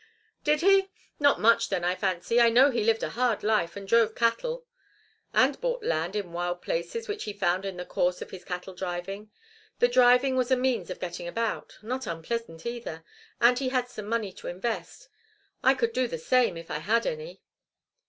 "Did he? Not much, then, I fancy. I know he lived a hard life and drove cattle " "And bought land in wild places which he found in the course of his cattle driving. The driving was a means of getting about not unpleasant, either and he had some money to invest. I could do the same, if I had any."